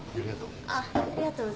ありがとう。